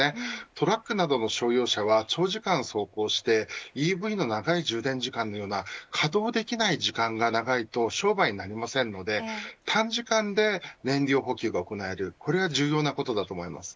トラックなどの商用車は長時間走行してＥＶの長い充電時間のような稼働できない時間が長いと商売にならないので短時間で燃料補給が行えるこれは重要なことだと思います。